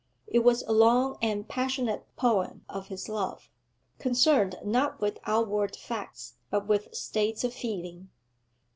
It was a long and passionate poem of his love, concerned not with outward facts, but with states of feeling.